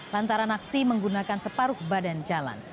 lantaran aksi menggunakan separuh badan jalan